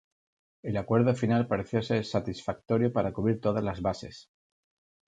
El acuerdo final pareció ser satisfactorio para cubrir todas las bases.